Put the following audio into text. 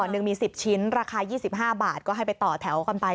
หนึ่งมี๑๐ชิ้นราคา๒๕บาทก็ให้ไปต่อแถวกันไป